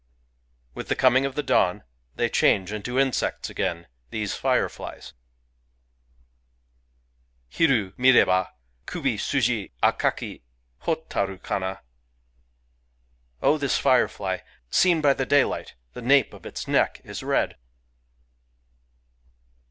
With the coming of the dawn, they change into insects again, — these fireflies ! Hiru mireba, Kubi suji akaki Hotaru kana ! Oh, this firefly !— seen by daylight, the nape of its neck is red